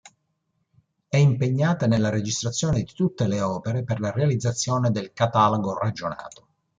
E' impegnata nella registrazione di tutte le opere per la realizzazione del Catalogo Ragionato.